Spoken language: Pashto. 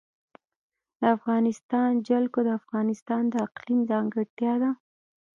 د افغانستان جلکو د افغانستان د اقلیم ځانګړتیا ده.